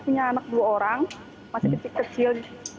punya anak dua orang masih kecil kecil